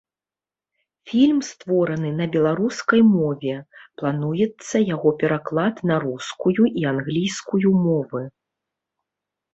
Фільм створаны на беларускай мове, плануецца яго пераклад на рускую і англійскую мовы.